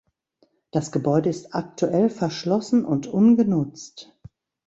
Das Gebäude ist aktuell verschlossen und ungenutzt.